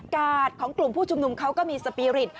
ของกลุ่มผู้ชุมนุมเขาก็มีสปีริต